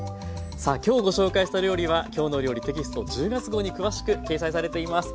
さあ今日ご紹介した料理は「きょうの料理」テキスト１０月号に詳しく掲載されています。